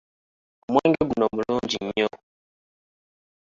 Omwenge guno mulungi nnyo.